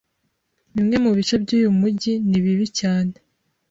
Bimwe mubice byuyu mujyi ni bibi cyane.